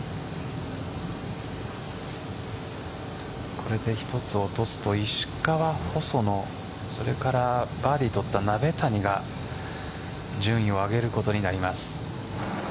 これで一つ落とすと石川、細野それからバーディーを取った鍋谷が順位を上げることになります。